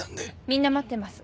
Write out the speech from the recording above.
みんな待ってます。